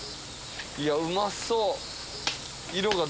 いやうまそう色が